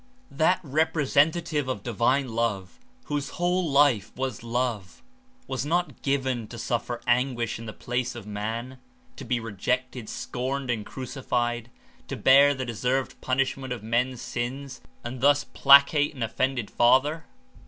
That representative of Divine Love, whose whole life was love, was not "given" to suffer anguish in the place of man, to be rejected, scorned and crucified, to bear the deserved punishment of men's sins and thus placate an offended father.